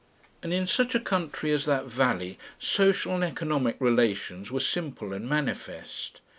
And in such a country as that valley social and economic relations were simple and manifest.